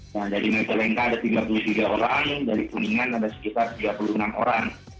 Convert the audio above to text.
nah dari majalengka ada tiga puluh tiga orang dari kuningan ada sekitar tiga puluh enam orang